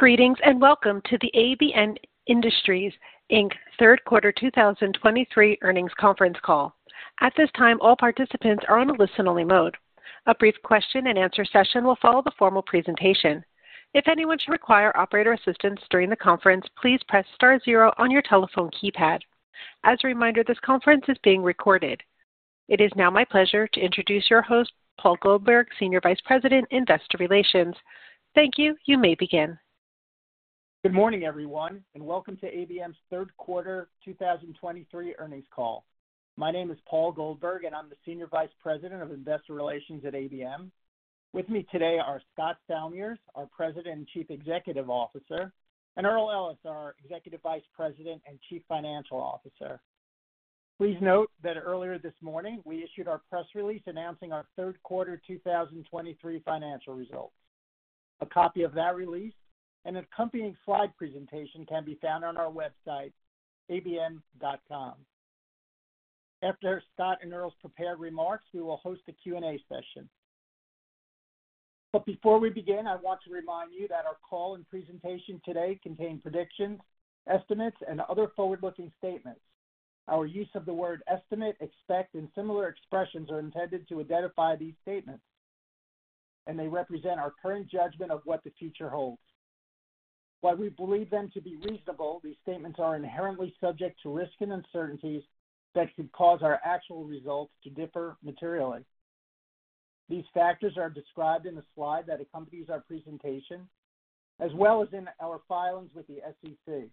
Greetings, and welcome to the ABM Industries, Inc. Third Quarter 2023 earnings conference call. At this time, all participants are on a listen-only mode. A brief question-and-answer session will follow the formal presentation. If anyone should require operator assistance during the conference, please press star zero on your telephone keypad. As a reminder, this conference is being recorded. It is now my pleasure to introduce your host, Paul Goldberg, Senior Vice President, Investor Relations. Thank you. You may begin. Good morning, everyone, and welcome to ABM's third quarter 2023 earnings call. My name is Paul Goldberg, and I'm the Senior Vice President of Investor Relations at ABM. With me today are Scott Salmirs, our President and Chief Executive Officer, and Earl Ellis, our Executive Vice President and Chief Financial Officer. Please note that earlier this morning, we issued our press release announcing our third quarter 2023 financial results. A copy of that release and accompanying slide presentation can be found on our website, abm.com. After Scott and Earl's prepared remarks, we will host a Q&A session. But before we begin, I want to remind you that our call and presentation today contain predictions, estimates, and other forward-looking statements. Our use of the word estimate, expect, and similar expressions are intended to identify these statements, and they represent our current judgment of what the future holds. While we believe them to be reasonable, these statements are inherently subject to risks and uncertainties that could cause our actual results to differ materially. These factors are described in the slide that accompanies our presentation, as well as in our filings with the SEC.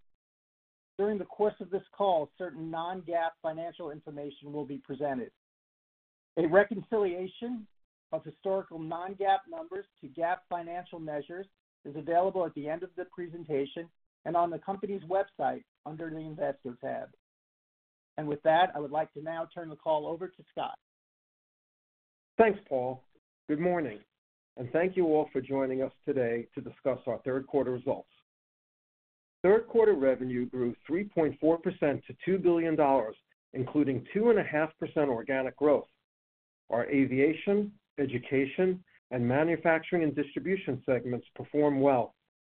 During the course of this call, certain non-GAAP financial information will be presented. A reconciliation of historical non-GAAP numbers to GAAP financial measures is available at the end of the presentation and on the company's website under the Investors tab. With that, I would like to now turn the call over to Scott. Thanks, Paul. Good morning, and thank you all for joining us today to discuss our third quarter results. Third quarter revenue grew 3.4% to $2 billion, including 2.5% organic growth. Our Aviation, Education, and Manufacturing and Distribution segments performed well,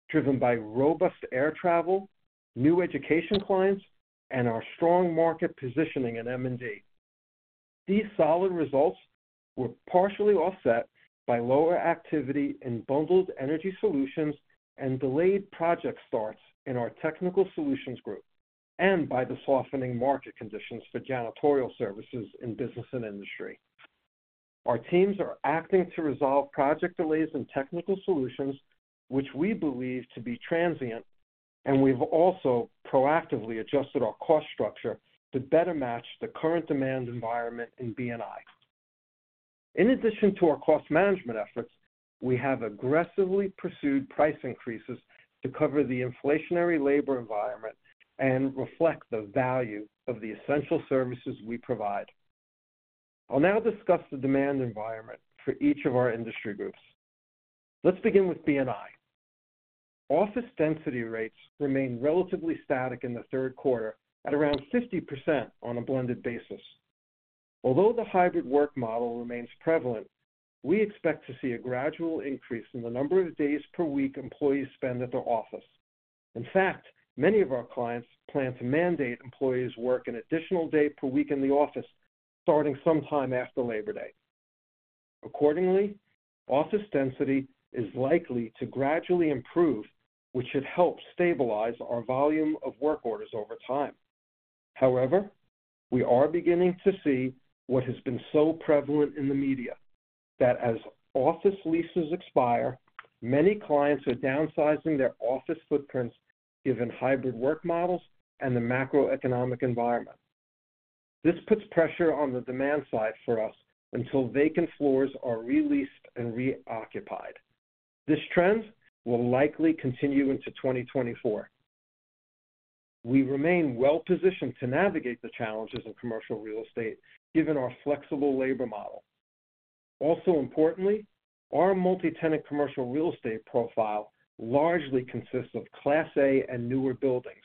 driven by robust air travel, new Education clients, and our strong market positioning in M&D. These solid results were partially offset by lower activity in Bundled Energy Solutions and delayed project starts in our Technical Solutions group, and by the softening market conditions for janitorial services in Business and Industry. Our teams are acting to resolve project delays and Technical Solutions, which we believe to be transient, and we've also proactively adjusted our cost structure to better match the current demand environment in B&I. In addition to our cost management efforts, we have aggressively pursued price increases to cover the inflationary labor environment and reflect the value of the essential services we provide. I'll now discuss the demand environment for each of our industry groups. Let's begin with B&I. Office density rates remained relatively static in the third quarter at around 50% on a blended basis. Although the hybrid work model remains prevalent, we expect to see a gradual increase in the number of days per week employees spend at their office. In fact, many of our clients plan to mandate employees work an additional day per week in the office, starting sometime after Labor Day. Accordingly, office density is likely to gradually improve, which should help stabilize our volume of work orders over time. However, we are beginning to see what has been so prevalent in the media, that as office leases expire, many clients are downsizing their office footprints, given hybrid work models and the macroeconomic environment. This puts pressure on the demand side for us until vacant floors are re-leased and reoccupied. This trend will likely continue into 2024. We remain well positioned to navigate the challenges of commercial real estate, given our flexible labor model. Also importantly, our multi-tenant commercial real estate profile largely consists of Class A and newer buildings.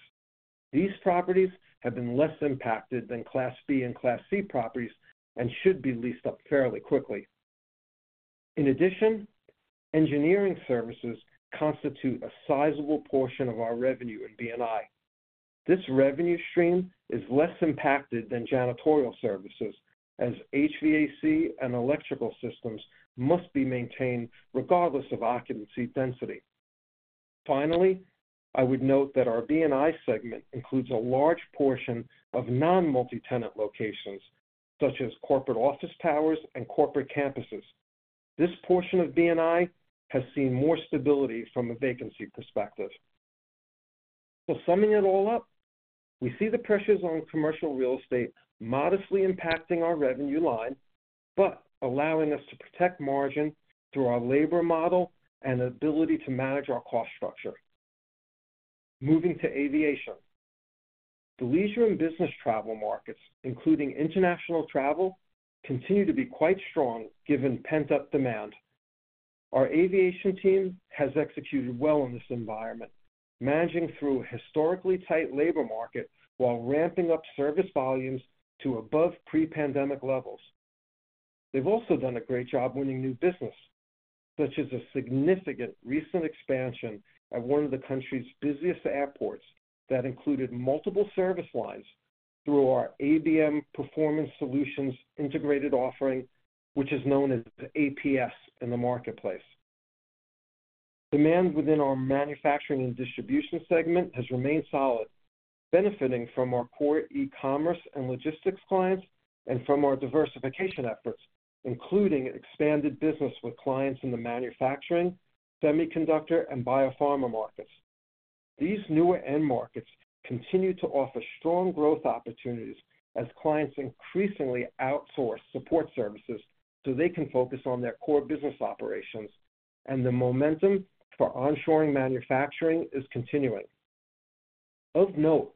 These properties have been less impacted than Class B and Class C properties and should be leased up fairly quickly. In addition, engineering services constitute a sizable portion of our revenue in B&I. This revenue stream is less impacted than janitorial services, as HVAC and electrical systems must be maintained regardless of occupancy density. Finally, I would note that our B&I segment includes a large portion of non-multi-tenant locations, such as corporate office towers and corporate campuses. This portion of B&I has seen more stability from a vacancy perspective. So summing it all up, we see the pressures on commercial real estate modestly impacting our revenue line, but allowing us to protect margin through our labor model and ability to manage our cost structure. Moving to aviation. The leisure and business travel markets, including international travel, continue to be quite strong given pent-up demand. Our aviation team has executed well in this environment, managing through a historically tight labor market while ramping up service volumes to above pre-pandemic levels... They've also done a great job winning new business, such as a significant recent expansion at one of the country's busiest airports that included multiple service lines through our ABM Performance Solutions integrated offering, which is known as APS in the marketplace. Demand within our Manufacturing and Distribution segment has remained solid, benefiting from our core e-commerce and logistics clients and from our diversification efforts, including expanded business with clients in the manufacturing, semiconductor, and biopharma markets. These newer end markets continue to offer strong growth opportunities as clients increasingly outsource support services so they can focus on their core business operations, and the momentum for onshoring manufacturing is continuing. Of note,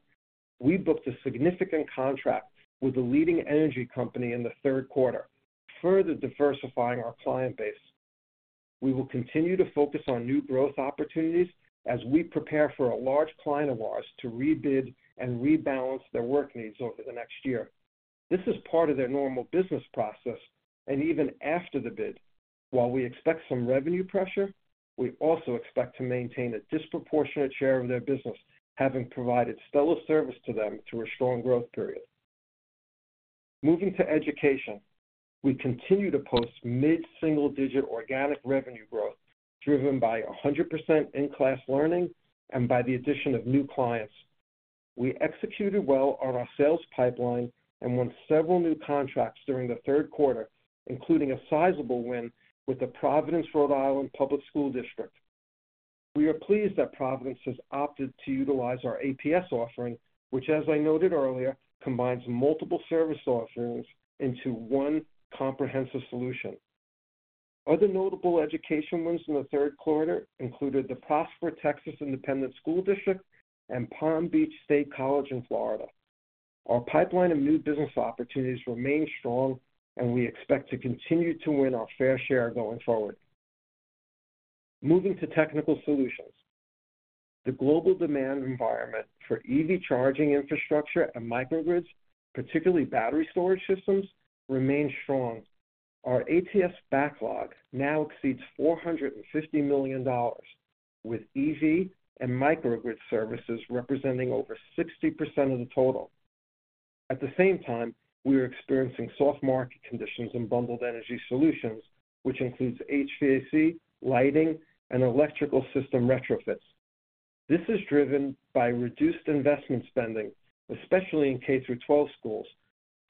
we booked a significant contract with a leading energy company in the third quarter, further diversifying our client base. We will continue to focus on new growth opportunities as we prepare for a large client of ours to rebid and rebalance their work needs over the next year. This is part of their normal business process, and even after the bid, while we expect some revenue pressure, we also expect to maintain a disproportionate share of their business, having provided stellar service to them through a strong growth period. Moving to Education, we continue to post mid-single-digit organic revenue growth, driven by 100% in-class learning and by the addition of new clients. We executed well on our sales pipeline and won several new contracts during the third quarter, including a sizable win with the Providence Public School District. We are pleased that Providence has opted to utilize our APS offering, which, as I noted earlier, combines multiple service offerings into one comprehensive solution. Other notable Education wins in the third quarter included the Prosper Independent School District and Palm Beach State College in Florida. Our pipeline of new business opportunities remains strong, and we expect to continue to win our fair share going forward. Moving to technical solutions. The global demand environment for EV charging infrastructure and microgrids, particularly battery storage systems, remains strong. Our ATS backlog now exceeds $450 million, with EV and microgrid services representing over 60% of the total. At the same time, we are experiencing soft market conditions in Bundled Energy Solutions, which includes HVAC, lighting, and electrical system retrofits. This is driven by reduced investment spending, especially in for K-12 schools,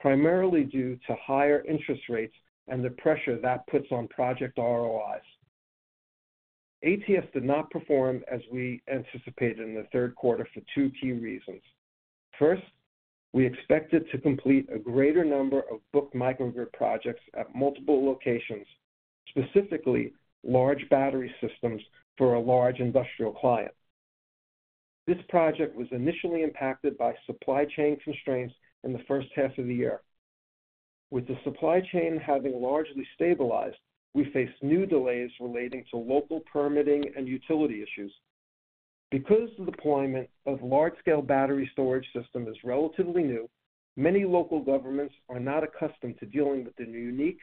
primarily due to higher interest rates and the pressure that puts on project ROIs. ATS did not perform as we anticipated in the third quarter for two key reasons. First, we expected to complete a greater number of booked microgrid projects at multiple locations, specifically large battery systems for a large industrial client. This project was initially impacted by supply chain constraints in the first half of the year. With the supply chain having largely stabilized, we face new delays relating to local permitting and utility issues. Because the deployment of large-scale battery storage system is relatively new, many local governments are not accustomed to dealing with the unique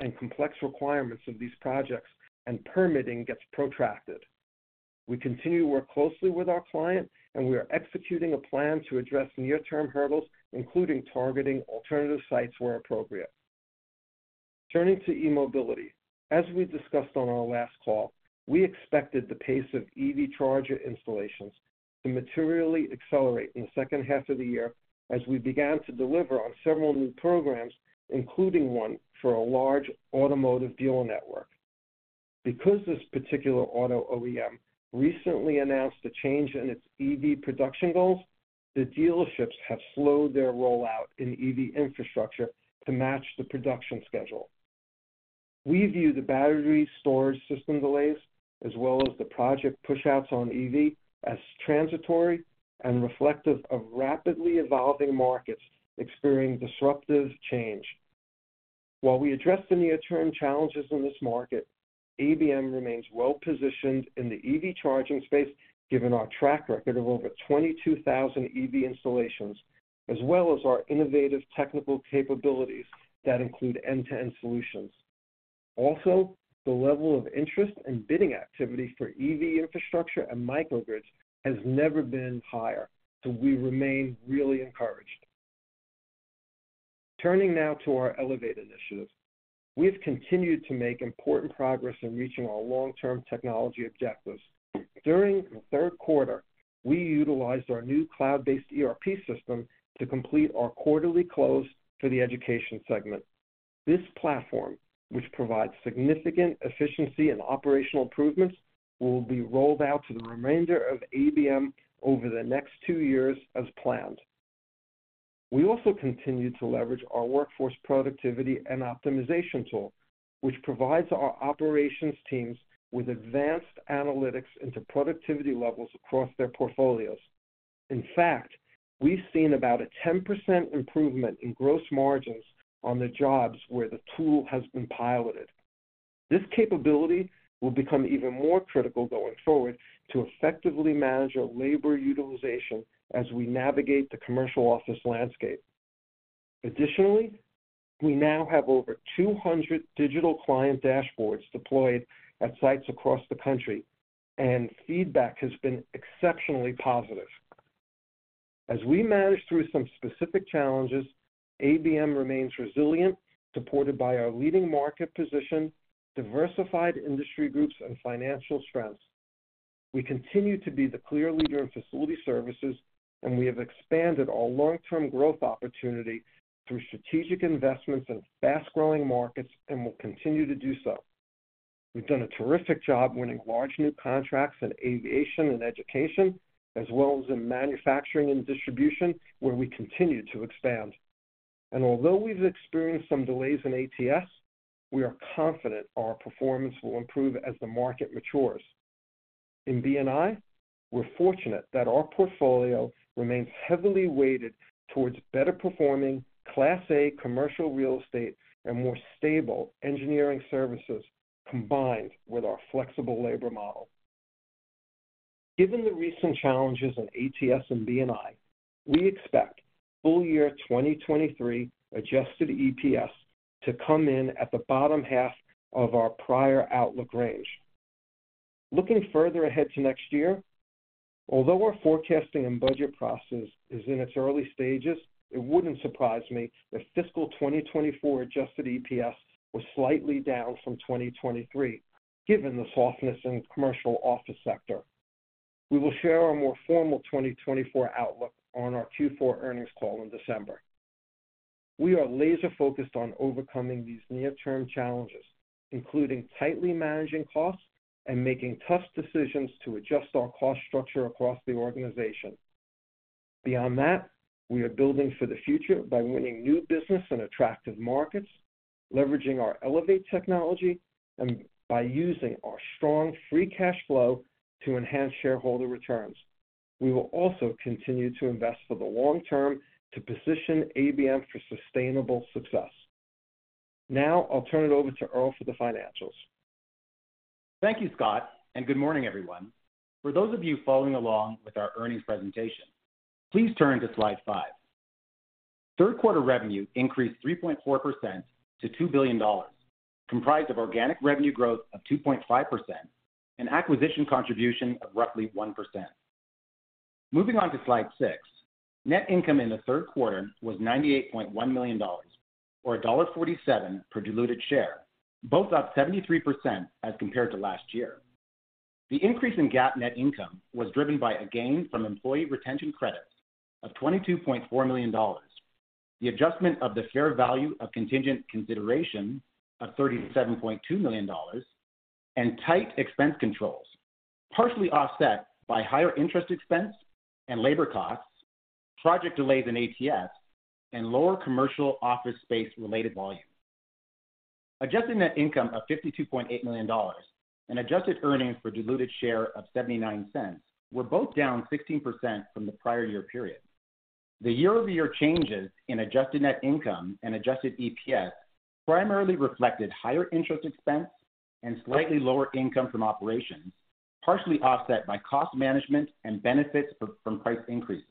and complex requirements of these projects, and permitting gets protracted. We continue to work closely with our client, and we are executing a plan to address near-term hurdles, including targeting alternative sites where appropriate. Turning to eMobility. As we discussed on our last call, we expected the pace of EV charger installations to materially accelerate in the second half of the year as we began to deliver on several new programs, including one for a large automotive dealer network. Because this particular auto OEM recently announced a change in its EV production goals, the dealerships have slowed their rollout in EV infrastructure to match the production schedule. We view the battery storage system delays, as well as the project pushouts on EV, as transitory and reflective of rapidly evolving markets experiencing disruptive change. While we address the near-term challenges in this market, ABM remains well-positioned in the EV charging space, given our track record of over 22,000 EV installations, as well as our innovative technical capabilities that include end-to-end solutions. Also, the level of interest and bidding activity for EV infrastructure and microgrids has never been higher, so we remain really encouraged. Turning now to our Elevate initiative. We've continued to make important progress in reaching our long-term technology objectives. During the third quarter, we utilized our new cloud-based ERP system to complete our quarterly close for the Education segment. This platform, which provides significant efficiency and operational improvements, will be rolled out to the remainder of ABM over the next two years as planned. We also continued to leverage our workforce productivity and optimization tool, which provides our operations teams with advanced analytics into productivity levels across their portfolios. In fact, we've seen about a 10% improvement in gross margins on the jobs where the tool has been piloted. This capability will become even more critical going forward to effectively manage our labor utilization as we navigate the commercial office landscape. Additionally, we now have over 200 digital client dashboards deployed at sites across the country, and feedback has been exceptionally positive. As we manage through some specific challenges, ABM remains resilient, supported by our leading market position, diversified industry groups, and financial strength. We continue to be the clear leader in facility services, and we have expanded our long-term growth opportunity through strategic investments in fast-growing markets and will continue to do so. We've done a terrific job winning large, new contracts in aviation and Education, as well as in manufacturing and distribution, where we continue to expand. Although we've experienced some delays in ATS, we are confident our performance will improve as the market matures. In B&I, we're fortunate that our portfolio remains heavily weighted towards better-performing Class A commercial real estate and more stable engineering services, combined with our flexible labor model. Given the recent challenges in ATS and B&I, we expect full year 2023 adjusted EPS to come in at the bottom half of our prior outlook range. Looking further ahead to next year, although our forecasting and budget process is in its early stages, it wouldn't surprise me if fiscal 2024 adjusted EPS was slightly down from 2023, given the softness in the commercial office sector. We will share our more formal 2024 outlook on our Q4 earnings call in December. We are laser-focused on overcoming these near-term challenges, including tightly managing costs and making tough decisions to adjust our cost structure across the organization. Beyond that, we are building for the future by winning new business in attractive markets, leveraging our Elevate technology, and by using our strong free cash flow to enhance shareholder returns. We will also continue to invest for the long term to position ABM for sustainable success. Now I'll turn it over to Earl for the financials. Thank you, Scott, and good morning, everyone. For those of you following along with our earnings presentation, please turn to Slide 5. Third quarter revenue increased 3.4% to $2 billion, comprised of organic revenue growth of 2.5% and acquisition contribution of roughly 1%. Moving on to Slide 6. Net income in the third quarter was $98.1 million, or $1.47 per diluted share, both up 73% as compared to last year. The increase in GAAP net income was driven by a gain from employee retention credits of $22.4 million. The adjustment of the fair value of contingent consideration of $37.2 million, and tight expense controls, partially offset by higher interest expense and labor costs, project delays in ATS, and lower commercial office space-related volumes. Adjusted net income of $52.8 million and adjusted earnings per diluted share of $0.79 were both down 16% from the prior year period. The year-over-year changes in adjusted net income and adjusted EPS primarily reflected higher interest expense and slightly lower income from operations, partially offset by cost management and benefits from price increases.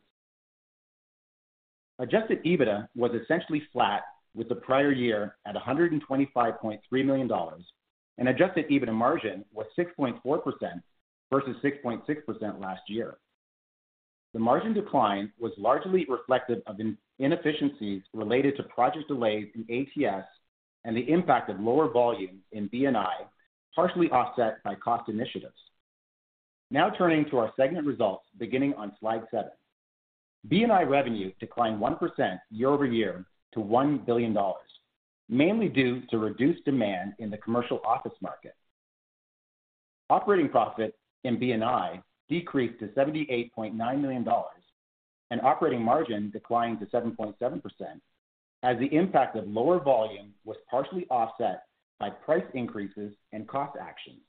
Adjusted EBITDA was essentially flat with the prior year at $125.3 million, and adjusted EBITDA margin was 6.4% versus 6.6% last year. The margin decline was largely reflective of inefficiencies related to project delays in ATS and the impact of lower volumes in B&I, partially offset by cost initiatives. Now turning to our segment results, beginning on Slide 7. B&I revenue declined 1% year-over-year to $1 billion, mainly due to reduced demand in the commercial office market. Operating profit in B&I decreased to $78.9 million, and operating margin declined to 7.7%, as the impact of lower volume was partially offset by price increases and cost actions.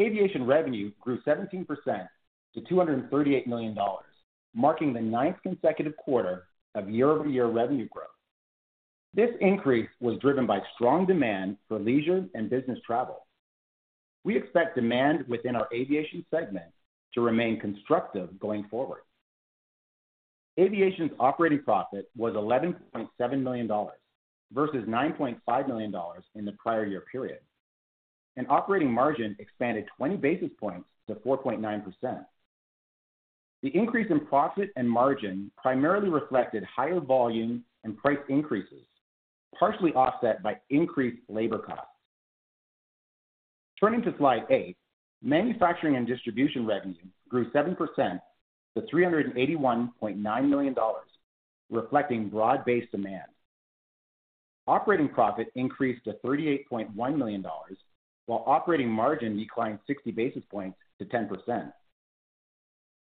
Aviation revenue grew 17% to $238 million, marking the ninth consecutive quarter of year-over-year revenue growth. This increase was driven by strong demand for leisure and business travel. We expect demand within our aviation segment to remain constructive going forward. Aviation's operating profit was $11.7 million, versus $9.5 million in the prior year period, and operating margin expanded 20 basis points to 4.9%. The increase in profit and margin primarily reflected higher volume and price increases, partially offset by increased labor costs. Turning to Slide 8. Manufacturing and distribution revenue grew 7% to $381.9 million, reflecting broad-based demand. Operating profit increased to $38.1 million, while operating margin declined 60 basis points to 10%.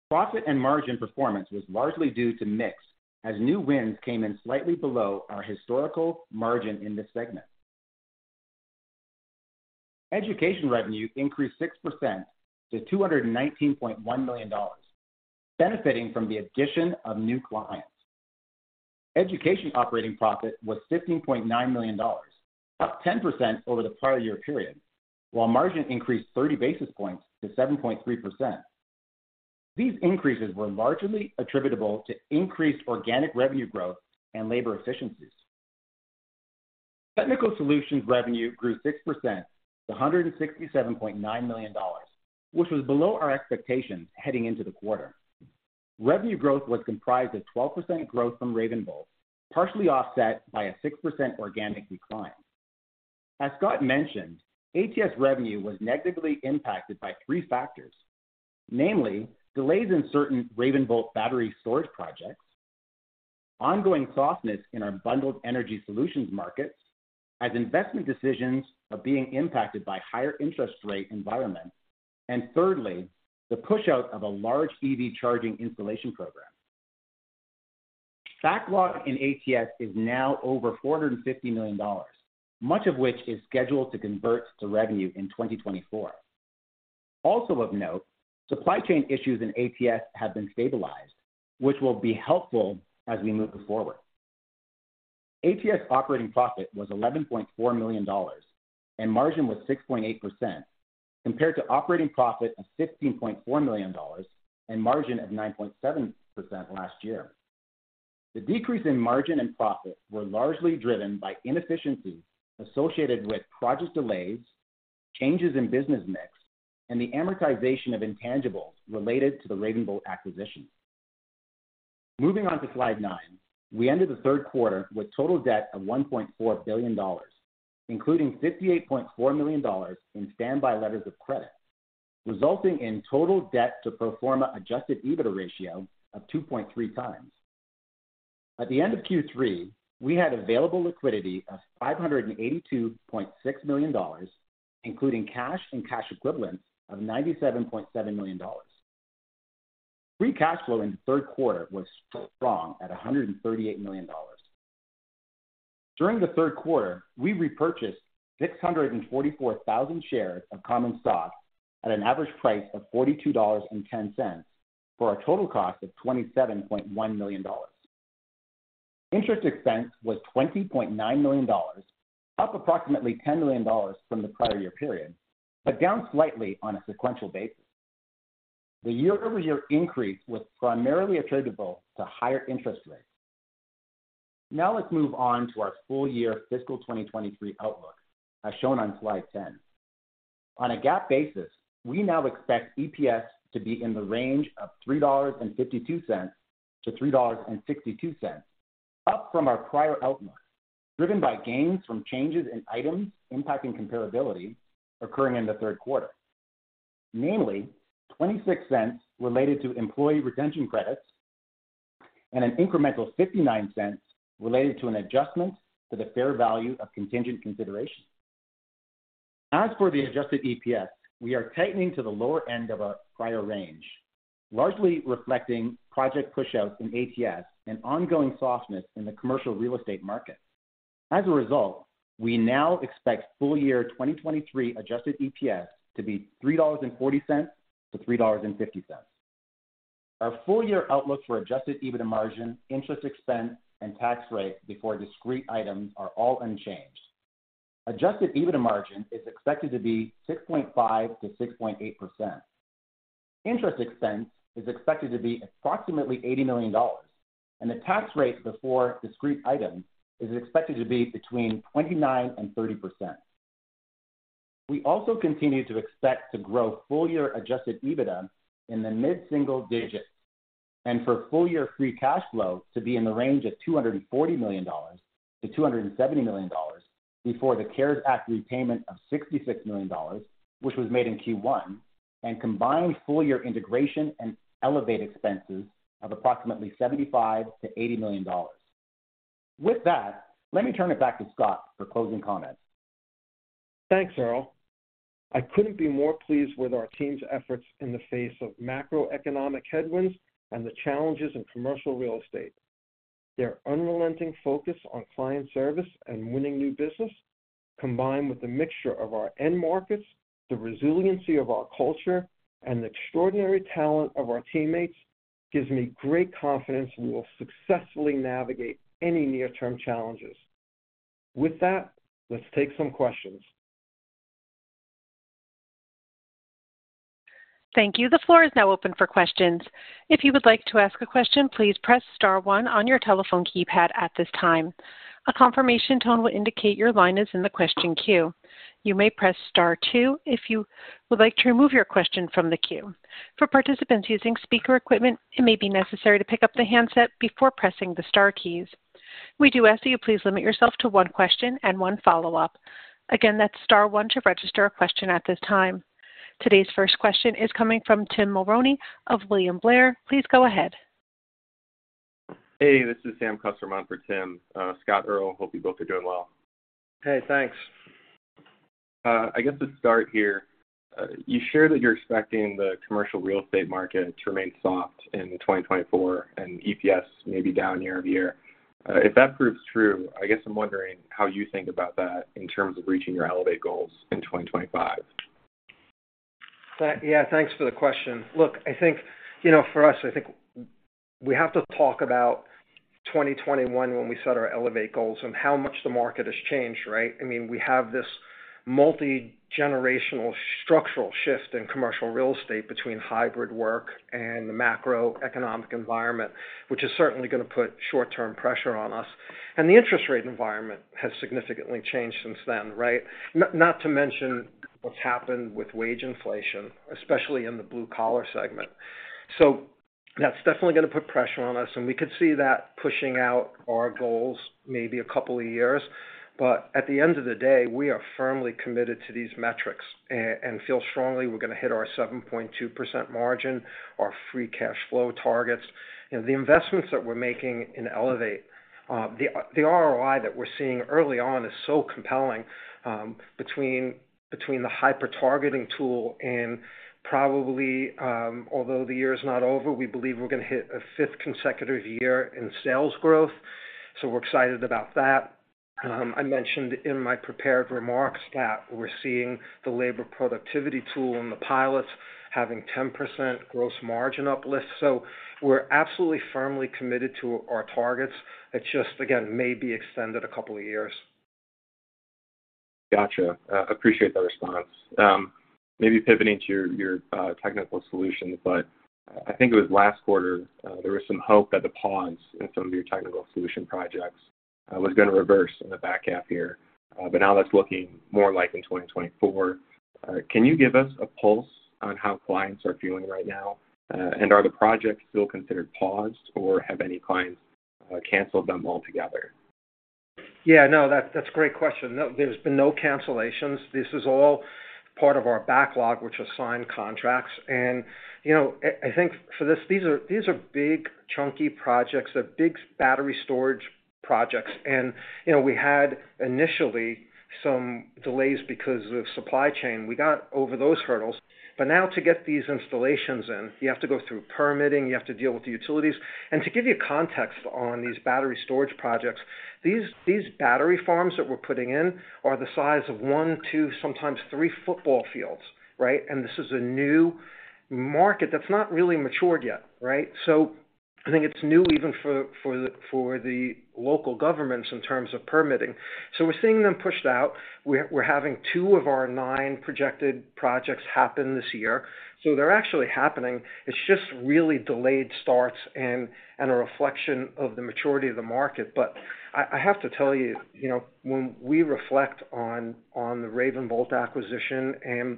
Profit and margin performance was largely due to mix, as new wins came in slightly below our historical margin in this segment. Education revenue increased 6% to $219.1 million, benefiting from the addition of new clients. Education operating profit was $15.9 million, up 10% over the prior year period, while margin increased 30 basis points to 7.3%. These increases were largely attributable to increased organic revenue growth and labor efficiencies. Technical Solutions revenue grew 6% to $167.9 million, which was below our expectations heading into the quarter. Revenue growth was comprised of 12% growth from RavenVolt, partially offset by a 6% organic decline. As Scott mentioned, ATS revenue was negatively impacted by three factors, namely, delays in certain RavenVolt battery storage projects, ongoing softness in our Bundled Energy Solutions markets as investment decisions are being impacted by higher interest rate environments, and thirdly, the pushout of a large EV charging installation program. Backlog in ATS is now over $450 million, much of which is scheduled to convert to revenue in 2024. Also of note, supply chain issues in ATS have been stabilized, which will be helpful as we move forward. ATS operating profit was $11.4 million, and margin was 6.8%, compared to operating profit of $16.4 million and margin of 9.7% last year. The decrease in margin and profit were largely driven by inefficiencies associated with project delays, changes in business mix, and the amortization of intangibles related to the RavenVolt acquisition. Moving on to Slide 9, we ended the third quarter with total debt of $1.4 billion, including $58.4 million in standby letters of credit, resulting in total debt to pro forma adjusted EBITDA ratio of 2.3 times. At the end of Q3, we had available liquidity of $582.6 million, including cash and cash equivalents of $97.7 million. Free cash flow in the third quarter was strong at $138 million. During the third quarter, we repurchased 644,000 shares of common stock at an average price of $42.10, for a total cost of $27.1 million. Interest expense was $20.9 million, up approximately $10 million from the prior year period, but down slightly on a sequential basis. The year-over-year increase was primarily attributable to higher interest rates. Now let's move on to our full year fiscal 2023 outlook, as shown on Slide 10. On a GAAP basis, we now expect EPS to be in the range of $3.52-$3.62, up from our prior outlook, driven by gains from changes in items impacting comparability occurring in the third quarter. Namely, $0.26 related to employee retention credits and an incremental $0.59 related to an adjustment to the fair value of contingent consideration. As for the adjusted EPS, we are tightening to the lower end of our prior range, largely reflecting project pushouts in ATS and ongoing softness in the commercial real estate market. As a result, we now expect full-year 2023 adjusted EPS to be $3.40 to $3.50. Our full-year outlook for adjusted EBITDA margin, interest expense, and tax rate before discrete items are all unchanged. Adjusted EBITDA margin is expected to be 6.5% to 6.8%. Interest expense is expected to be approximately $80 million, and the tax rate before discrete items is expected to be between 29% and 30%. We also continue to expect to grow full year adjusted EBITDA in the mid-single digits and for full year free cash flow to be in the range of $240 million-$270 million before the CARES Act repayment of $66 million, which was made in Q1, and combined full year integration and Elevate expenses of approximately $75 million to $80 million. With that, let me turn it back to Scott for closing comments. Thanks, Earl. I couldn't be more pleased with our team's efforts in the face of macroeconomic headwinds and the challenges in commercial real estate. Their unrelenting focus on client service and winning new business, combined with the mixture of our end markets, the resiliency of our culture, and the extraordinary talent of our teammates, gives me great confidence we will successfully navigate any near-term challenges. With that, let's take some questions. Thank you. The floor is now open for questions. If you would like to ask a question, please press star one on your telephone keypad at this time. A confirmation tone will indicate your line is in the question queue. You may press star two if you would like to remove your question from the queue. For participants using speaker equipment, it may be necessary to pick up the handset before pressing the star keys. We do ask that you please limit yourself to one question and one follow-up. Again, that's star one to register a question at this time. Today's first question is coming from Tim Mulrooney of William Blair. Please go ahead. Hey, this is Sam Kusswurm for Tim Mulrooney, Scott Salmirs, Earl Ellis. Hope you both are doing well. Hey, thanks. I guess to start here, you shared that you're expecting the commercial real estate market to remain soft in 2024 and EPS may be down year over year. If that proves true, I guess I'm wondering how you think about that in terms of reaching your Elevate goals in 2025? ... Yeah, thanks for the question. Look, I think, you know, for us, I think we have to talk about 2021 when we set our Elevate goals and how much the market has changed, right? I mean, we have this multi-generational structural shift in commercial real estate between hybrid work and the macroeconomic environment, which is certainly gonna put short-term pressure on us. And the interest rate environment has significantly changed since then, right? Not to mention what's happened with wage inflation, especially in the blue-collar segment. So that's definitely gonna put pressure on us, and we could see that pushing out our goals maybe a couple of years. But at the end of the day, we are firmly committed to these metrics and feel strongly we're gonna hit our 7.2% margin, our free cash flow targets. The investments that we're making in Elevate, the ROI that we're seeing early on is so compelling, between the hyper targeting tool and probably, although the year is not over, we believe we're gonna hit a fifth consecutive year in sales growth. We're excited about that. I mentioned in my prepared remarks that we're seeing the labor productivity tool in the pilots having 10% gross margin uplifts. We're absolutely firmly committed to our targets. It just, again, may be extended a couple of years. Gotcha. Appreciate the response. Maybe pivoting to your, your, technical solutions, but I think it was last quarter, there was some hope that the pause in some of your Technical Solutions projects was gonna reverse in the back half year. But now that's looking more like in 2024. Can you give us a pulse on how clients are doing right now? And are the projects still considered paused, or have any clients canceled them altogether? Yeah, no, that's a great question. No, there's been no cancellations. This is all part of our backlog, which are signed contracts. And, you know, I, I think for this, these are, these are big, chunky projects. They're big battery storage projects. And, you know, we had initially some delays because of supply chain. We got over those hurdles, but now to get these installations in, you have to go through permitting, you have to deal with the utilities. And to give you context on these battery storage projects, these, these battery farms that we're putting in are the size of one, two, sometimes three football fields, right? And this is a new market that's not really matured yet, right? So I think it's new even for, for the, for the local governments in terms of permitting. So we're seeing them pushed out. We're having two of our nine projected projects happen this year. So they're actually happening. It's just really delayed starts and a reflection of the maturity of the market. But I have to tell you, you know, when we reflect on the RavenVolt acquisition and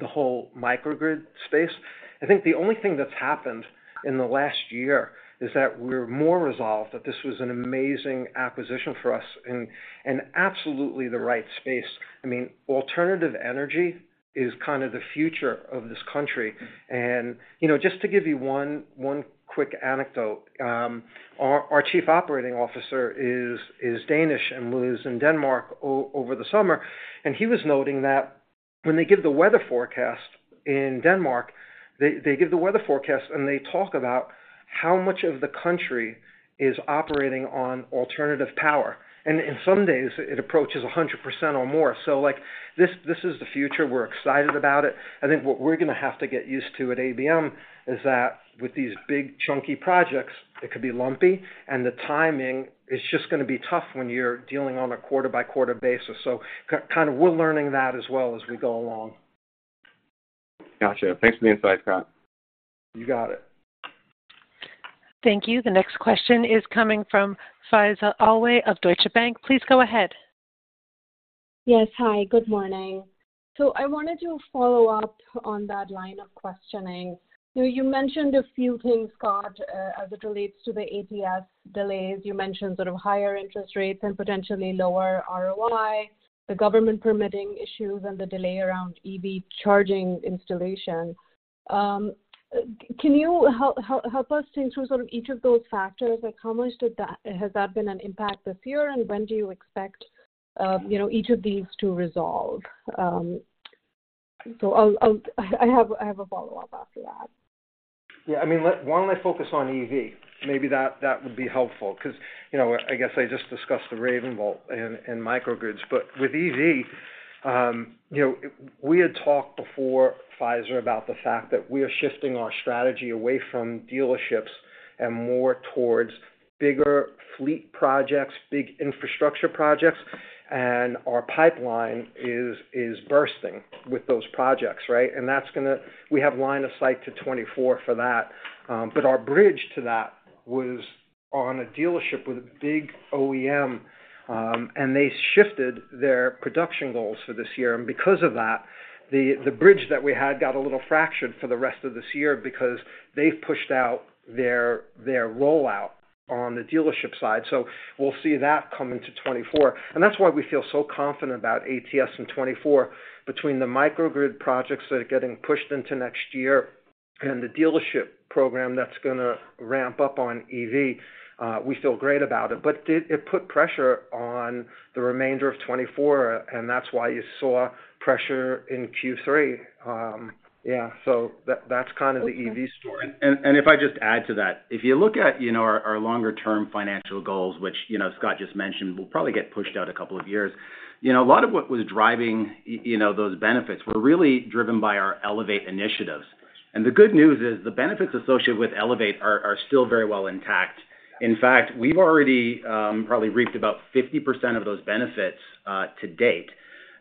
the whole microgrid space, I think the only thing that's happened in the last year is that we're more resolved that this was an amazing acquisition for us and absolutely the right space. I mean, alternative energy is kind of the future of this country. You know, just to give you one, one quick anecdote, our, our Chief Operating Officer is, is Danish and lives in Denmark over the summer, and he was noting that when they give the weather forecast in Denmark, they, they give the weather forecast, and they talk about how much of the country is operating on alternative power. And in some days, it approaches 100% or more. So, like, this, this is the future. We're excited about it. I think what we're gonna have to get used to at ABM is that with these big, chunky projects, it could be lumpy, and the timing is just gonna be tough when you're dealing on a quarter-by-quarter basis. So kind of we're learning that as well as we go along. Gotcha. Thanks for the insight, Scott. You got it. Thank you. The next question is coming from Faiza Alwy of Deutsche Bank. Please go ahead. Yes. Hi, good morning. So I wanted to follow up on that line of questioning. So you mentioned a few things, Scott, as it relates to the ATS delays. You mentioned sort of higher interest rates and potentially lower ROI, the government permitting issues, and the delay around EV charging installation. Can you help us think through sort of each of those factors? Like, how much has that been an impact this year, and when do you expect, you know, each of these to resolve? So I'll—I have a follow-up after that. Yeah, I mean, why don't I focus on EV? Maybe that would be helpful because, you know, I guess I just discussed the RavenVolt and microgrids. But with EV, you know, we had talked before, Faiza, about the fact that we are shifting our strategy away from dealerships and more towards bigger fleet projects, big infrastructure projects, and our pipeline is bursting with those projects, right? And that's gonna, we have line of sight to 2024 for that. But our bridge to that was on a dealership with a big OEM, and they shifted their production goals for this year. And because of that, the bridge that we had got a little fractured for the rest of this year because they've pushed out their rollout on the dealership side. So we'll see that come into 2024. And that's why we feel so confident about ATS in 2024. Between the microgrid projects that are getting pushed into next year and the dealership program that's gonna ramp up on EV, we feel great about it. But it put pressure on the remainder of 2024, and that's why you saw pressure in Q3. Yeah, so that's kind of the EV story. If I just add to that, if you look at, you know, our longer-term financial goals, which, you know, Scott just mentioned, will probably get pushed out a couple of years. You know, a lot of what was driving you know, those benefits were really driven by our Elevate initiatives.... The good news is, the benefits associated with Elevate are, are still very well intact. In fact, we've already probably reaped about 50% of those benefits to date.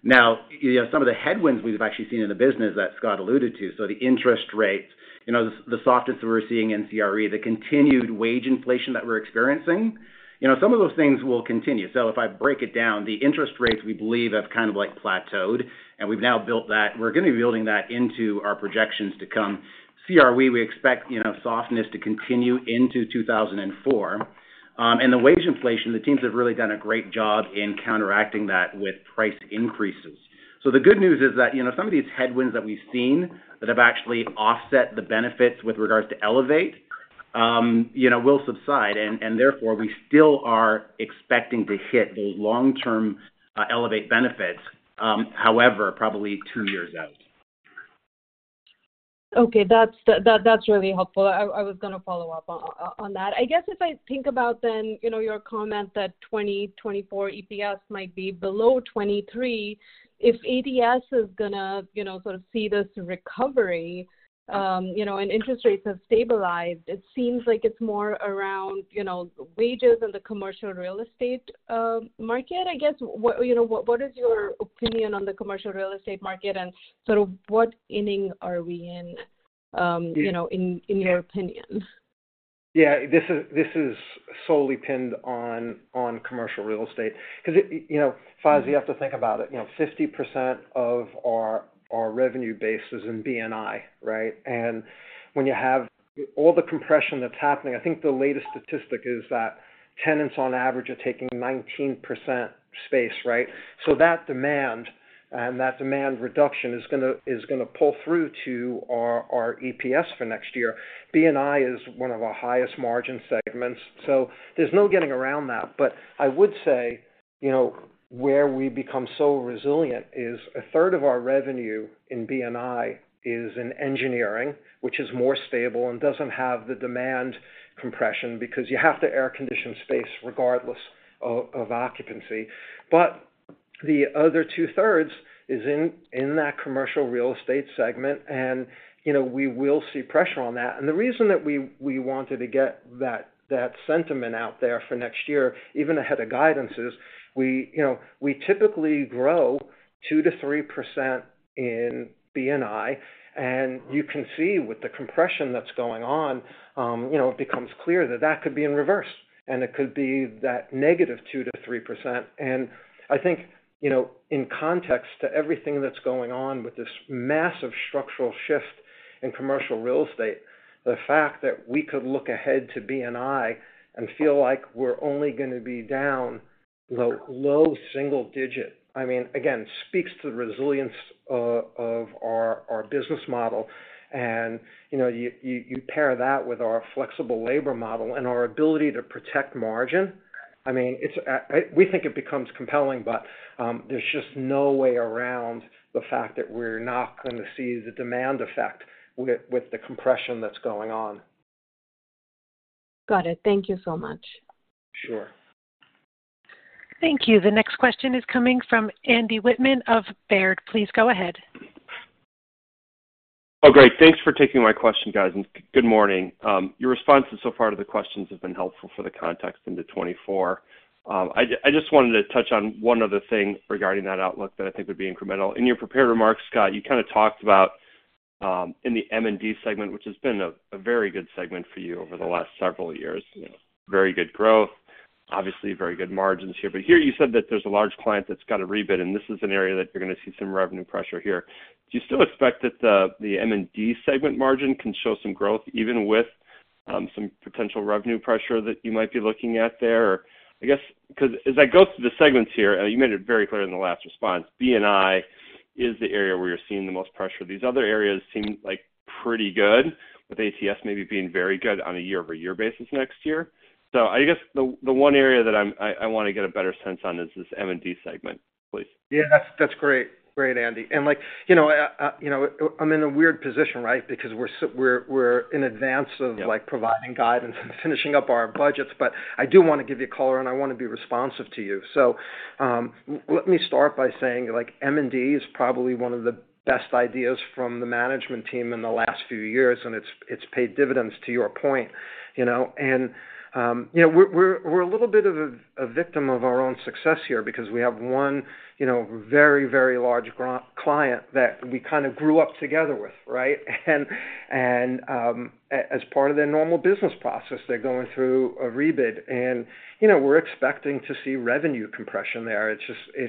Now, you know, some of the headwinds we've actually seen in the business that Scott alluded to, so the interest rates, you know, the softness that we're seeing in CRE, the continued wage inflation that we're experiencing, you know, some of those things will continue. So if I break it down, the interest rates, we believe, have kind of like plateaued, and we've now built that. We're gonna be building that into our projections to come. CRE, we expect, you know, softness to continue into 2004. And the wage inflation, the teams have really done a great job in counteracting that with price increases. The good news is that, you know, some of these headwinds that we've seen, that have actually offset the benefits with regards to Elevate, you know, will subside, and therefore, we still are expecting to hit those long-term Elevate benefits, however, probably two years out. Okay, that's, that, that's really helpful. I was gonna follow up on that. I guess if I think about then, you know, your comment that 2024 EPS might be below 2023, if ADS is gonna, you know, sort of see this recovery, you know, and interest rates have stabilized, it seems like it's more around, you know, wages and the commercial real estate market. I guess, what - you know, what, what is your opinion on the commercial real estate market, and sort of what inning are we in, you know, in, in your opinion? Yeah, this is solely pinned on commercial real estate. 'Cause it, you know, Faiza, you have to think about it. You know, 50% of our revenue base was in B&I, right? And when you have all the compression that's happening, I think the latest statistic is that tenants on average are taking 19% space, right? So that demand and that demand reduction is gonna pull through to our EPS for next year. B&I is one of our highest margin segments, so there's no getting around that. But I would say, you know, where we become so resilient is a third of our revenue in B&I is in engineering, which is more stable and doesn't have the demand compression, because you have to air condition space regardless of occupancy. But the other two thirds is in that commercial real estate segment, and, you know, we will see pressure on that. And the reason that we wanted to get that sentiment out there for next year, even ahead of guidance, is we, you know, we typically grow 2% to 3% in B&I. And you can see with the compression that's going on, you know, it becomes clear that that could be in reverse, and it could be that -2% to -3%. And I think, you know, in context to everything that's going on with this massive structural shift in commercial real estate, the fact that we could look ahead to B&I and feel like we're only gonna be down the low single digit, I mean, again, speaks to the resilience of our business model. You know, you pair that with our flexible labor model and our ability to protect margin. I mean, it's we think it becomes compelling, but there's just no way around the fact that we're not gonna see the demand effect with the compression that's going on. Got it. Thank you so much. Sure. Thank you. The next question is coming from Andy Wittmann of Baird. Please go ahead. Oh, great! Thanks for taking my question, guys, and good morning. Your responses so far to the questions have been helpful for the context into 2024. I just wanted to touch on one other thing regarding that outlook that I think would be incremental. In your prepared remarks, Scott, you kind of talked about, in the M&D segment, which has been a very good segment for you over the last several years, you know, very good growth, obviously very good margins here. But here you said that there's a large client that's got a rebid, and this is an area that you're gonna see some revenue pressure here. Do you still expect that the M&D segment margin can show some growth, even with some potential revenue pressure that you might be looking at there? Or I guess, 'cause as I go through the segments here, and you made it very clear in the last response, B&I is the area where you're seeing the most pressure. These other areas seem like pretty good, with ATS maybe being very good on a year-over-year basis next year. So I guess the, the one area that I'm—I, I want to get a better sense on is this M&D segment, please. Yeah, that's, that's great. Great, Andy. And like, you know, you know, I'm in a weird position, right? Because we're so—we're, we're in advance of- Yeah... like, providing guidance and finishing up our budgets. But I do want to give you color, and I want to be responsive to you. So, let me start by saying, like, M&D is probably one of the best ideas from the management team in the last few years, and it's paid dividends to your point, you know. And, you know, we're a little bit of a victim of our own success here because we have one, you know, very, very large client that we kind of grew up together with, right? And, as part of their normal business process, they're going through a rebid, and, you know, we're expecting to see revenue compression there. It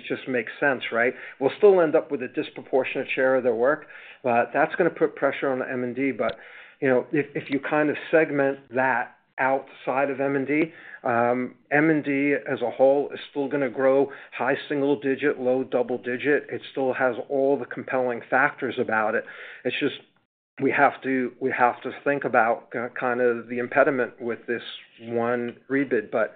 just makes sense, right? We'll still end up with a disproportionate share of their work, but that's gonna put pressure on the M&D. But, you know, if you kind of segment that outside of M&D, M&D as a whole is still gonna grow high single digit, low double digit. It still has all the compelling factors about it. It's just we have to think about kinda the impediment with this one rebid. But,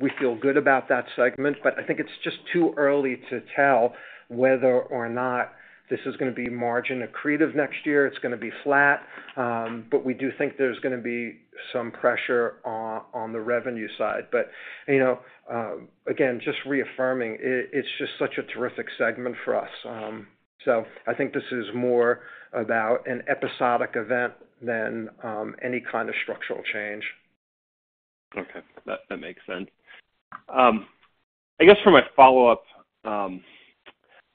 we feel good about that segment, but I think it's just too early to tell whether or not this is gonna be margin accretive next year. It's gonna be flat, but we do think there's gonna be some pressure on the revenue side. But, you know, again, just reaffirming, it's just such a terrific segment for us. I think this is more about an episodic event than any kind of structural change.... Okay, that makes sense. I guess for my follow-up,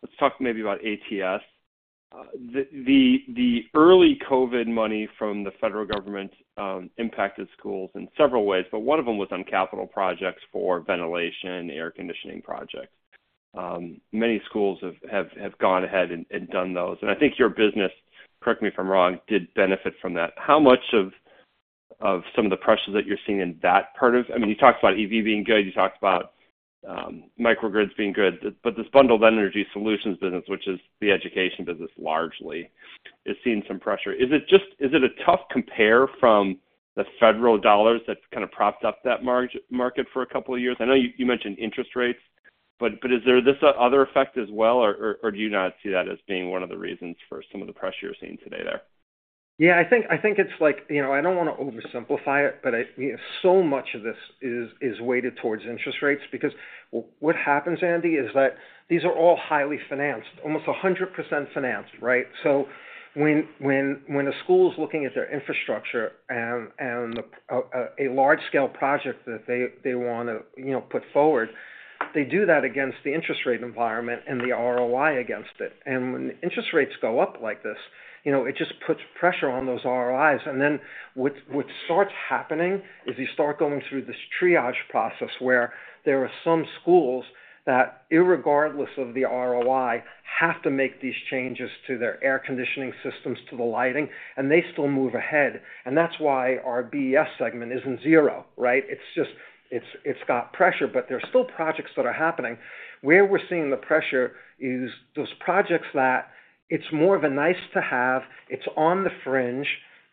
let's talk maybe about ATS. The early COVID money from the federal government impacted schools in several ways, but one of them was on capital projects for ventilation and air conditioning projects. Many schools have gone ahead and done those. And I think your business, correct me if I'm wrong, did benefit from that. How much of some of the pressures that you're seeing in that part of-- I mean, you talked about EV being good, you talked about microgrids being good, but this Bundled Energy Solutions business, which is the Education business largely, is seeing some pressure. Is it just-- Is it a tough compare from the federal dollars that's kind of propped up that market for a couple of years? I know you, you mentioned interest rates, but, but is there this, other effect as well, or, or do you not see that as being one of the reasons for some of the pressure you're seeing today there? Yeah, I think, I think it's like, you know, I don't want to oversimplify it, but so much of this is, is weighted towards interest rates, because what happens, Andy, is that these are all highly financed, almost 100% financed, right? So when, when, when a school is looking at their infrastructure and, and a large-scale project that they, they want to, you know, put forward, they do that against the interest rate environment and the ROI against it. And when interest rates go up like this, you know, it just puts pressure on those ROIs. And then what, what starts happening is you start going through this triage process where there are some schools that, regardless of the ROI, have to make these changes to their air conditioning systems, to the lighting, and they still move ahead. And that's why our BES segment isn't zero, right? It's just—it's got pressure, but there are still projects that are happening. Where we're seeing the pressure is those projects that it's more of a nice to have, it's on the fringe,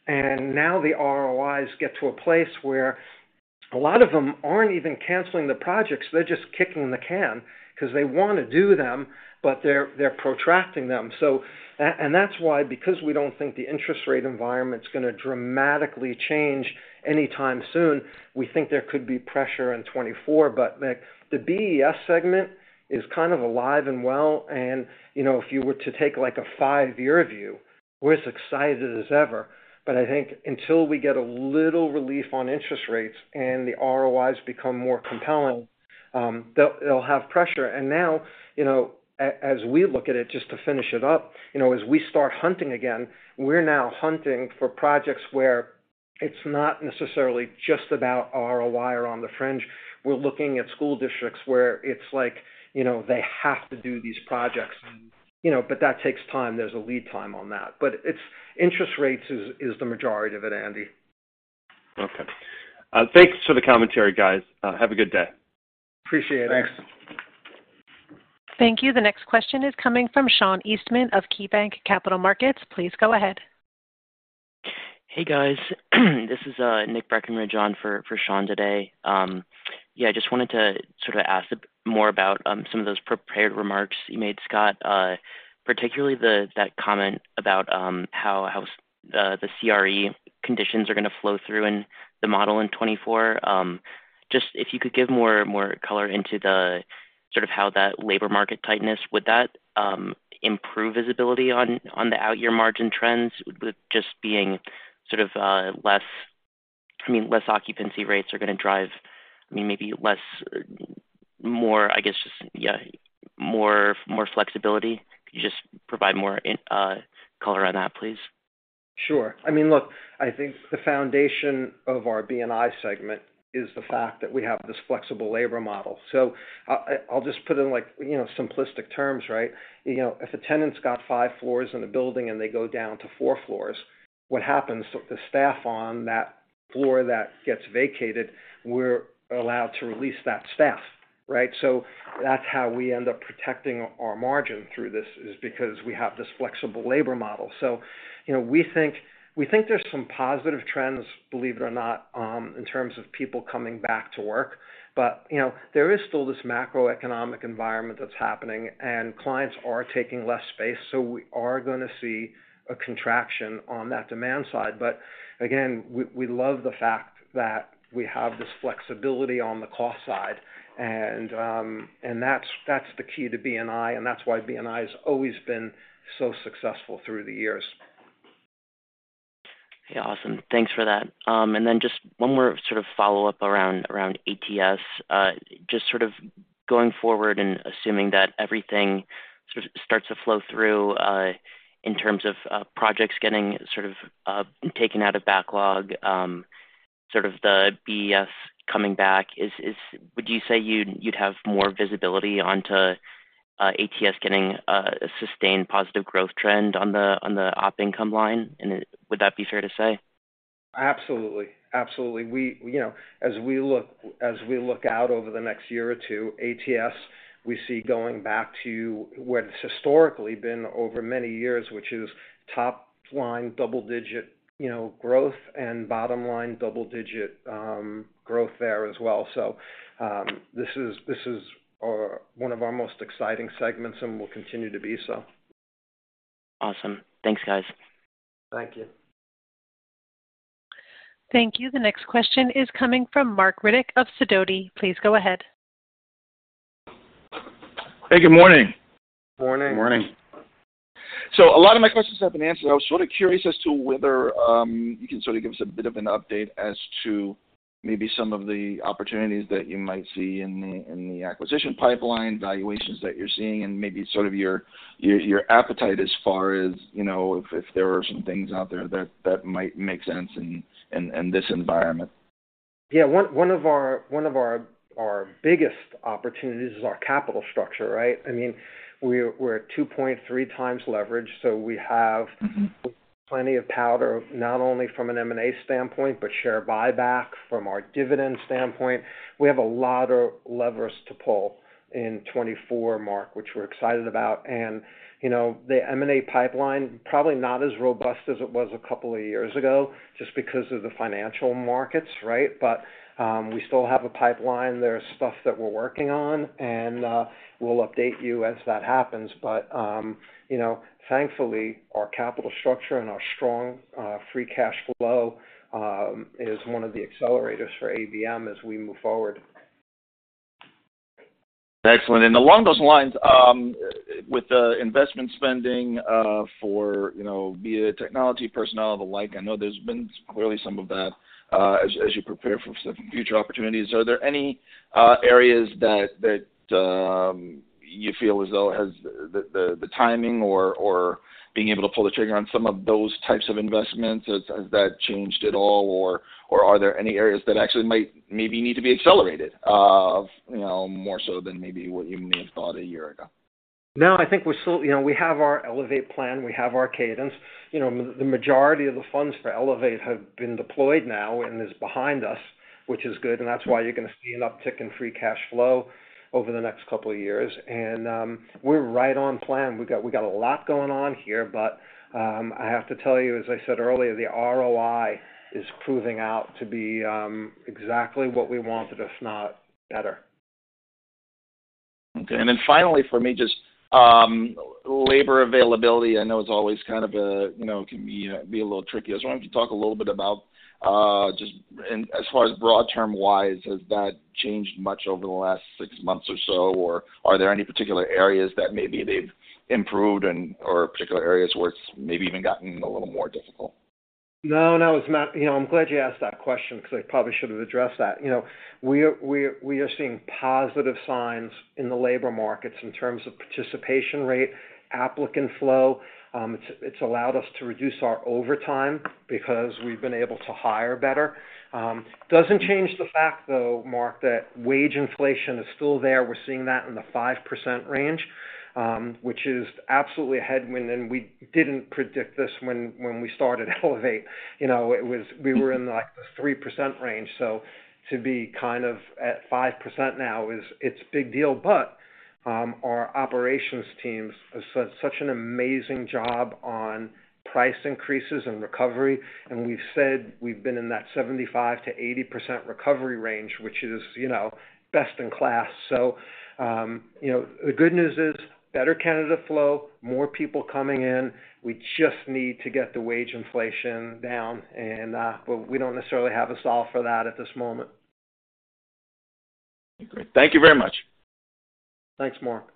and now the ROIs get to a place where a lot of them aren't even canceling the projects, they're just kicking the can because they want to do them, but they're protracting them. So, and that's why, because we don't think the interest rate environment is going to dramatically change anytime soon, we think there could be pressure in 2024. But the BES segment is kind of alive and well, and, you know, if you were to take, like, a five-year view, we're as excited as ever. But I think until we get a little relief on interest rates and the ROIs become more compelling, they'll, they'll have pressure. And now, you know, as we look at it, just to finish it up, you know, as we start hunting again, we're now hunting for projects where it's not necessarily just about ROI or on the fringe. We're looking at school districts where it's like, you know, they have to do these projects. You know, but that takes time. There's a lead time on that. But it's interest rates is the majority of it, Andy. Okay. Thanks for the commentary, guys. Have a good day. Appreciate it. Thanks. Thank you. The next question is coming from Sean Eastman of KeyBanc Capital Markets. Please go ahead. Hey, guys. This is Nicholas Breckenridge on for, for Sean today. Yeah, I just wanted to sort of ask more about some of those prepared remarks you made, Scott, particularly the—that comment about how, how the, the CRE conditions are going to flow through in the model in 2024. Just if you could give more, more color into the sort of how that labor market tightness, would that improve visibility on, on the outyear margin trends with just being sort of less, I mean, less occupancy rates are going to drive, I mean, maybe less, more, I guess, just, yeah, more, more flexibility? Could you just provide more in color on that, please? Sure. I mean, look, I think the foundation of our B&I segment is the fact that we have this flexible labor model. So I, I'll just put it in like, you know, simplistic terms, right? You know, if a tenant's got five floors in a building and they go down to four floors, what happens to the staff on that floor that gets vacated, we're allowed to release that staff, right? So that's how we end up protecting our margin through this, is because we have this flexible labor model. So you know, we think, we think there's some positive trends, believe it or not, in terms of people coming back to work. But, you know, there is still this macroeconomic environment that's happening, and clients are taking less space, so we are going to see a contraction on that demand side. But again, we love the fact that we have this flexibility on the cost side, and that's the key to B&I, and that's why B&I has always been so successful through the years. Okay, awesome. Thanks for that. And then just one more sort of follow-up around ATS. Just sort of going forward and assuming that everything sort of starts to flow through, in terms of projects getting sort of taken out of backlog, sort of the BES coming back, would you say you'd have more visibility onto ATS getting a sustained positive growth trend on the op income line? And would that be fair to say? Absolutely. Absolutely. We, you know, as we look, as we look out over the next year or two, ATS, we see going back to what it's historically been over many years, which is top-line double-digit, you know, growth and bottom-line double-digit, growth there as well. So, this is, this is, one of our most exciting segments and will continue to be so. Awesome. Thanks, guys. Thank you. Thank you. The next question is coming from Marc Riddick of Sidoti. Please go ahead.... Hey, good morning. Morning. Good morning. A lot of my questions have been answered. I was sort of curious as to whether you can sort of give us a bit of an update as to maybe some of the opportunities that you might see in the acquisition pipeline, valuations that you're seeing, and maybe sort of your appetite as far as, you know, if there are some things out there that might make sense in this environment. Yeah, one of our biggest opportunities is our capital structure, right? I mean, we're at 2.3 times leverage, so we have plenty of powder, not only from an M&A standpoint, but share buyback from our dividend standpoint. We have a lot of levers to pull in 2024, Marc, which we're excited about. And, you know, the M&A pipeline, probably not as robust as it was a couple of years ago, just because of the financial markets, right? But, we still have a pipeline. There's stuff that we're working on, and, we'll update you as that happens. But, you know, thankfully, our capital structure and our strong, free cash flow, is one of the accelerators for ABM as we move forward. Excellent. And along those lines, with the investment spending, for, you know, be it technology, personnel, the like, I know there's been clearly some of that, as you prepare for some future opportunities. Are there any areas that you feel as though has the timing or being able to pull the trigger on some of those types of investments, has that changed at all? Or are there any areas that actually might maybe need to be accelerated, you know, more so than maybe what you may have thought a year ago? No, I think we're still... You know, we have our Elevate plan, we have our cadence. You know, the majority of the funds for Elevate have been deployed now and is behind us, which is good, and that's why you're going to see an uptick in free cash flow over the next couple of years. And we're right on plan. We got a lot going on here, but I have to tell you, as I said earlier, the ROI is proving out to be exactly what we wanted, if not better. Okay. And then finally, for me, just, labor availability, I know, is always kind of a, you know, can be, be a little tricky. I was wondering if you talk a little bit about, just and as far as broad term-wise, has that changed much over the last six months or so? Or are there any particular areas that maybe they've improved and or particular areas where it's maybe even gotten a little more difficult? No, no, it's not. You know, I'm glad you asked that question because I probably should have addressed that. You know, we are seeing positive signs in the labor markets in terms of participation rate, applicant flow. It's allowed us to reduce our overtime because we've been able to hire better. Doesn't change the fact, though, Mark, that wage inflation is still there. We're seeing that in the 5% range, which is absolutely a headwind, and we didn't predict this when we started Elevate. You know, it was. We were in, like, the 3% range, so to be kind of at 5% now is it's a big deal. But, our operations teams have done such an amazing job on price increases and recovery, and we've said we've been in that 75%-80% recovery range, which is, you know, best in class. So, you know, the good news is better candidate flow, more people coming in. We just need to get the wage inflation down, and, but we don't necessarily have a solve for that at this moment. Great. Thank you very much. Thanks, Mark.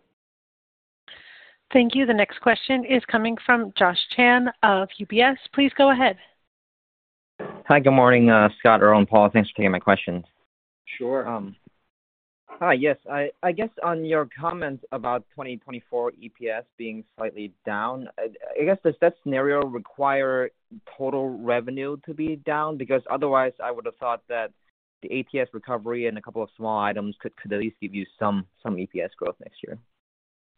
Thank you. The next question is coming from Josh Chan of UBS. Please go ahead. Hi, good morning, Scott, Earl, and Paul. Thanks for taking my questions. Sure, um. Hi. Yes, I guess on your comments about 2024 EPS being slightly down, I guess, does that scenario require total revenue to be down? Because otherwise, I would have thought that the APS recovery and a couple of small items could at least give you some EPS growth next year.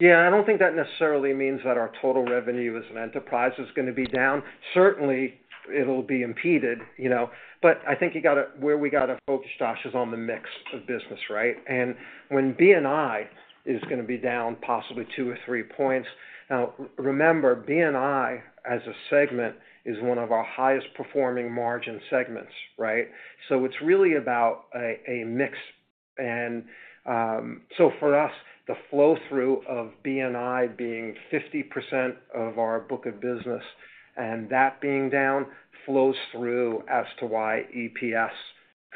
Yeah, I don't think that necessarily means that our total revenue as an enterprise is going to be down. Certainly, it'll be impeded, you know, but I think you gotta—where we got to focus, Josh, is on the mix of business, right? And when B&I is gonna be down possibly two or three points. Now, remember, B&I, as a segment, is one of our highest performing margin segments, right? So it's really about a mix. And so for us, the flow-through of B&I being 50% of our book of business, and that being down, flows through as to why EPS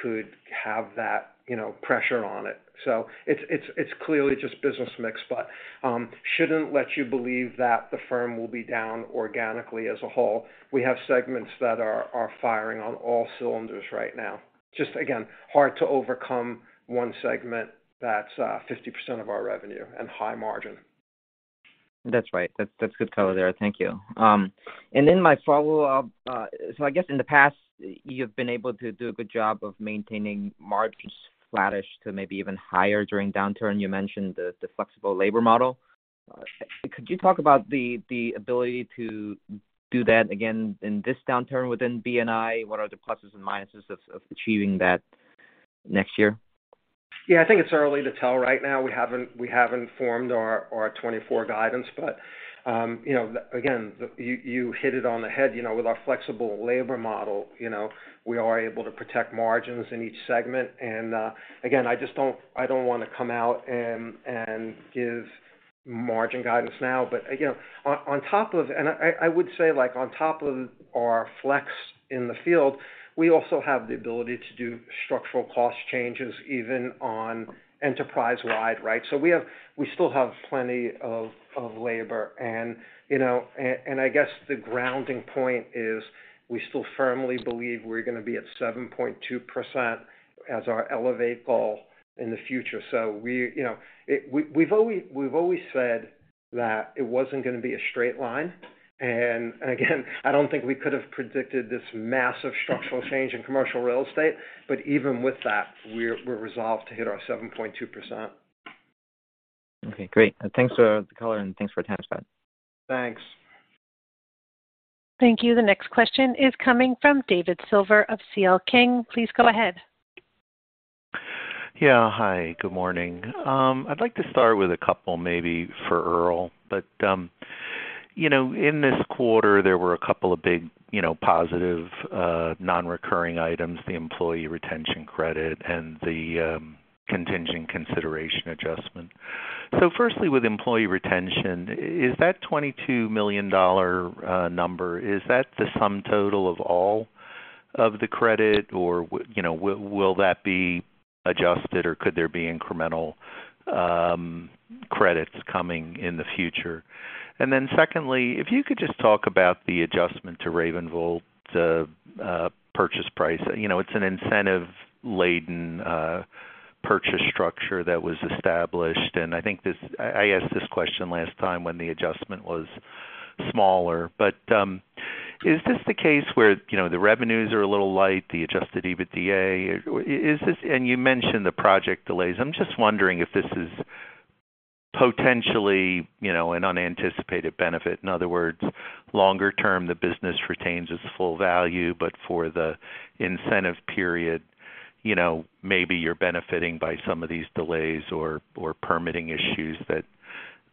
could have that, you know, pressure on it. So it's clearly just business mix, but shouldn't let you believe that the firm will be down organically as a whole. We have segments that are firing on all cylinders right now. Just again, hard to overcome one segment that's 50% of our revenue and high margin. That's right. That's good color there. Thank you. And then my follow-up, so I guess in the past, you've been able to do a good job of maintaining margins flattish to maybe even higher during downturn. You mentioned the flexible labor model. Could you talk about the ability to do that again in this downturn within B&I? What are the pluses and minuses of achieving that next year? ... Yeah, I think it's early to tell right now. We haven't, we haven't formed our, our 2024 guidance, but, you know, again, you, you hit it on the head, you know, with our flexible labor model, you know, we are able to protect margins in each segment. And, again, I just don't-- I don't wanna come out and, and give margin guidance now. But again, on, on top of... And I, I would say, like, on top of our flex in the field, we also have the ability to do structural cost changes, even on enterprise-wide, right? So we have-- we still have plenty of, of labor and, you know, and, and I guess the grounding point is we still firmly believe we're gonna be at 7.2% as our Elevate goal in the future. So we, you know, we've always said that it wasn't gonna be a straight line. And again, I don't think we could have predicted this massive structural change in commercial real estate, but even with that, we're resolved to hit our 7.2%. Okay, great. Thanks for the color, and thanks for the time, Scott. Thanks. Thank you. The next question is coming from David Silver of CL King. Please go ahead. Yeah. Hi, good morning. I'd like to start with a couple, maybe for Earl. But, you know, in this quarter, there were a couple of big, you know, positive, nonrecurring items, the employee retention credit and the, contingent consideration adjustment. So firstly, with employee retention, is that $22 million number, is that the sum total of all of the credit, or you know, will that be adjusted, or could there be incremental, credits coming in the future? And then secondly, if you could just talk about the adjustment to RavenVolt purchase price. You know, it's an incentive-laden, purchase structure that was established, and I think this I, I asked this question last time when the adjustment was smaller. But, is this the case where, you know, the revenues are a little light, the adjusted EBITDA? Is this – and you mentioned the project delays. I'm just wondering if this is potentially, you know, an unanticipated benefit. In other words, longer term, the business retains its full value, but for the incentive period, you know, maybe you're benefiting by some of these delays or permitting issues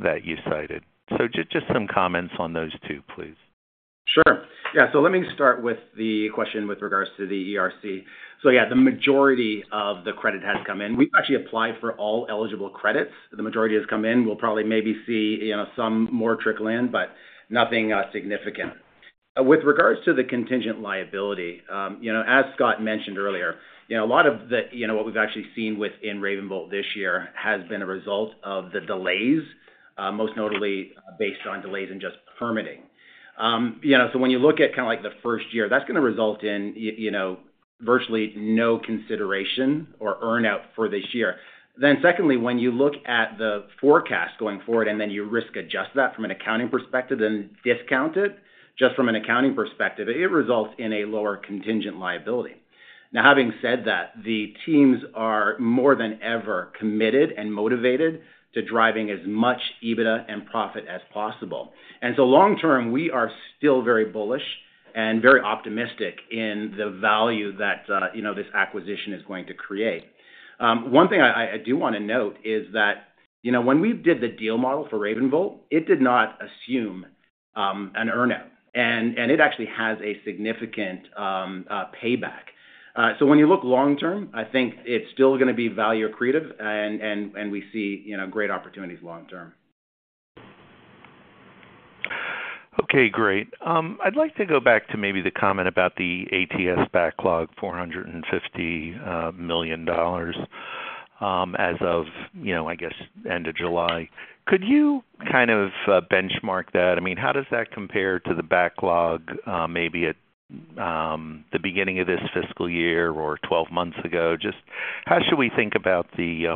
that you cited. So just some comments on those two, please. Sure. Yeah, so let me start with the question with regards to the ERC. So yeah, the majority of the credit has come in. We've actually applied for all eligible credits. The majority has come in. We'll probably maybe see, you know, some more trickle in, but nothing, significant. With regards to the contingent liability, you know, as Scott mentioned earlier, you know, a lot of the, you know, what we've actually seen within RavenVolt this year has been a result of the delays, most notably based on delays in just permitting. You know, so when you look at kinda like the first year, that's gonna result in, you know, virtually no consideration or earn out for this year. Then secondly, when you look at the forecast going forward, and then you risk adjust that from an accounting perspective, then discount it, just from an accounting perspective, it results in a lower contingent liability. Now, having said that, the teams are more than ever committed and motivated to driving as much EBITDA and profit as possible. And so long term, we are still very bullish and very optimistic in the value that, you know, this acquisition is going to create. One thing I do wanna note is that, you know, when we did the deal model for RavenVolt, it did not assume an earn out, and it actually has a significant payback. So when you look long term, I think it's still gonna be value accretive, and we see, you know, great opportunities long term. Okay, great. I'd like to go back to maybe the comment about the ATS backlog, $450 million, as of, you know, I guess, end of July. Could you kind of benchmark that? I mean, how does that compare to the backlog, maybe at the beginning of this fiscal year or twelve months ago? Just how should we think about the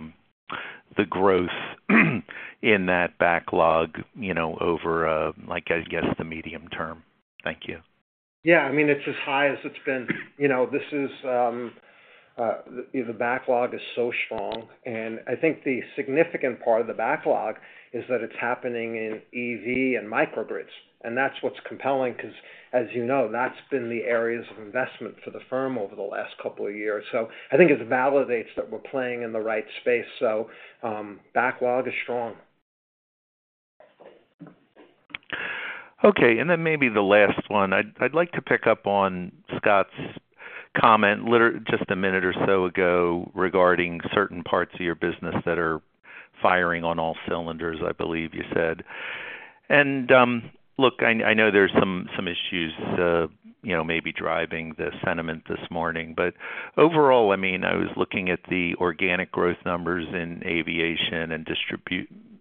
growth in that backlog, you know, over, like, I guess, the medium term? Thank you. Yeah, I mean, it's as high as it's been. You know, this is, the backlog is so strong, and I think the significant part of the backlog is that it's happening in EV and microgrids, and that's what's compelling because, as you know, that's been the areas of investment for the firm over the last couple of years. So I think it validates that we're playing in the right space. So, backlog is strong. Okay, and then maybe the last one. I'd like to pick up on Scott's comment just a minute or so ago regarding certain parts of your business that are firing on all cylinders, I believe you said. And look, I know there's some issues, you know, maybe driving the sentiment this morning. But overall, I mean, I was looking at the organic growth numbers in Aviation and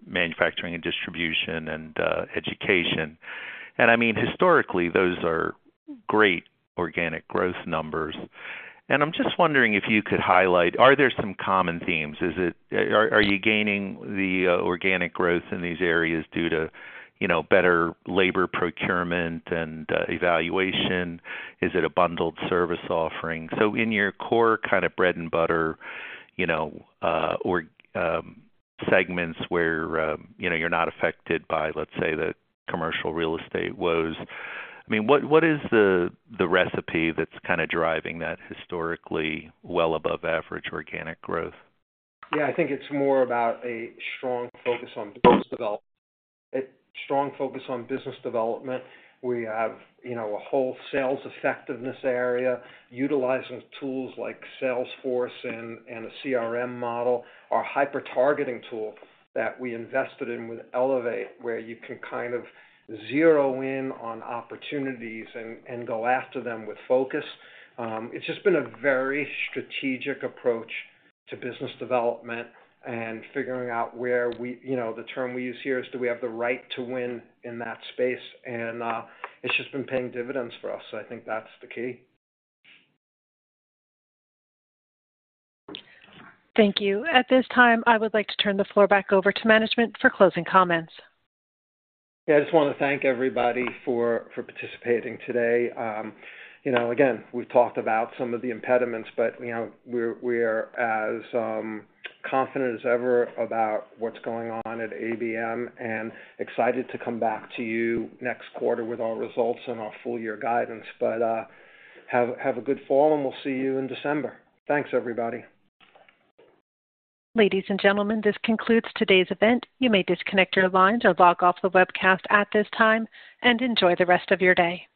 Manufacturing and Distribution and Education. And I mean, historically, those are great organic growth numbers. And I'm just wondering if you could highlight, are there some common themes? Is it? Are you gaining the organic growth in these areas due to, you know, better labor procurement and evaluation? Is it a bundled service offering? So in your core kind of bread-and-butter, you know, organic segments where, you know, you're not affected by, let's say, the commercial real estate woes, I mean, what, what is the, the recipe that's kind of driving that historically well above average organic growth? Yeah, I think it's more about a strong focus on business development. A strong focus on business development, where you have, you know, a whole sales effectiveness area, utilizing tools like Salesforce and, and a CRM model, our hyper-targeting tool that we invested in with Elevate, where you can kind of zero in on opportunities and, and go after them with focus. It's just been a very strategic approach to business development and figuring out where we... You know, the term we use here is, do we have the right to win in that space? And, it's just been paying dividends for us, so I think that's the key. Thank you. At this time, I would like to turn the floor back over to management for closing comments. Yeah, I just wanna thank everybody for participating today. You know, again, we've talked about some of the impediments, but you know, we're as confident as ever about what's going on at ABM and excited to come back to you next quarter with our results and our full year guidance. But have a good fall, and we'll see you in December. Thanks, everybody. Ladies and gentlemen, this concludes today's event. You may disconnect your lines or log off the webcast at this time, and enjoy the rest of your day.